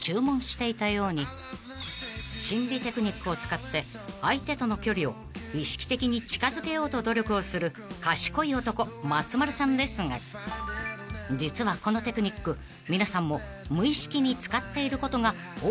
［心理テクニックを使って相手との距離を意識的に近づけようと努力をする賢い男松丸さんですが実はこのテクニック皆さんも無意識に使っていることが多いようで］